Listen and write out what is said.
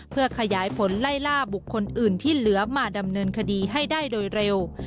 เพื่อขยายผลไล่ล่าบุคคลอื่นที่เหลือมาดำเนินคดีให้ได้โดยเร็ว